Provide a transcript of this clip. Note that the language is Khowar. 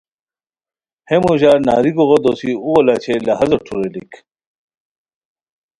ہے موژار ناری گوغو دوسی اوغو لاچھے لہازو ٹھوریلیک